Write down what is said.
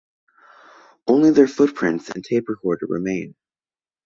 Only their footprints and tape recorder remain.